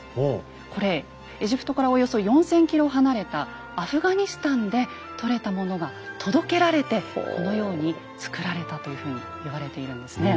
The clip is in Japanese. これエジプトからおよそ４，０００ｋｍ離れたアフガニスタンで採れたものが届けられてこのように作られたというふうに言われているんですね。